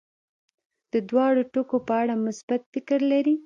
د دواړو ټکو په اړه مثبت فکر لري.